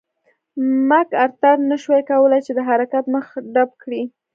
مک ارتر نه شوای کولای چې د حرکت مخه ډپ کړي.